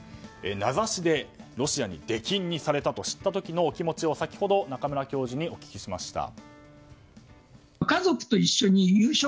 名指しでロシアに出禁にされたと知った時のお気持ちを先ほど中村教授にお聞きしました。